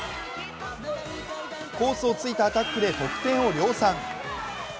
コースをついたアタックで得点を量産。